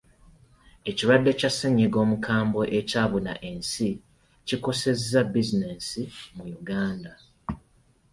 Ekirwadde kya ssenyiga omukambwe ekyabuna ensi kikosezza bizinensi mu Uganda.